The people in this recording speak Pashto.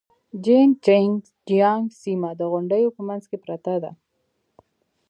جين چنګ جيانګ سيمه د غونډيو په منځ کې پرته ده.